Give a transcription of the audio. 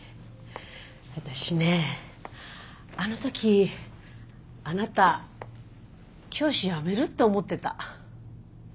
私ねあの時あなた教師辞めるって思ってた。